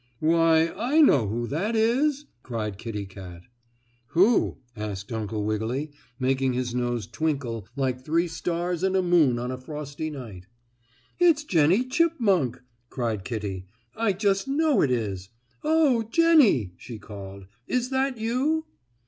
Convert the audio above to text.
"Why, I know who that is!" cried Kittie Kat. "Who?" asked Uncle Wiggily, making his nose twinkle like three stars and a moon on a frosty night. "It's Jennie Chipmunk!" cried Kittie. "I just know it is. Oh, Jennie!" she called. "Is that you?"